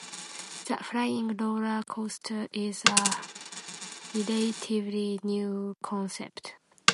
The flying roller coaster is a relatively new concept.